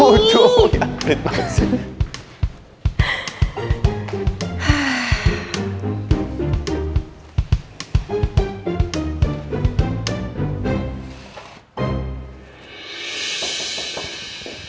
pint banget sih